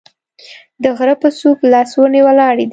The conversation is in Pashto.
د غره په څوک لس ونې ولاړې دي